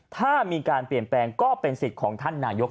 ถ้ามีการเปลี่ยนแปลงก็เป็นสิทธิ์ของท่านนายก